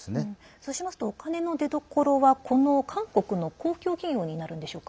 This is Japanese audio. そうしますとお金の出どころは、韓国の公共企業になるんでしょうか。